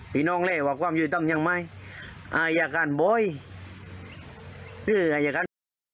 พี่น้องเรียกว่าความอยู่ต้องยังไม่อาหญ่การบ่อยคืออาหญ่การ